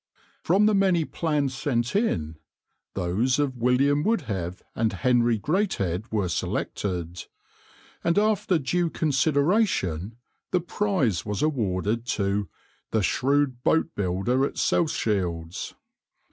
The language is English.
From the many plans sent in, those of William Wouldhave and Henry Greathead were selected, and after due consideration the prize was awarded to "the shrewd boatbuilder at South Shields."